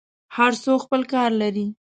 هر څوک خپل کار لري.